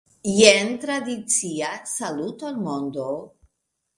Jen tradicia Saluton, mondo!